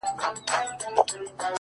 زما په ژوند کي د وختونو د بلا ياري ده ـ